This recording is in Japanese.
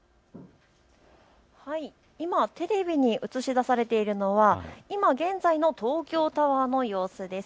今テレビに映し出されているのは今現在の東京タワーの様子です。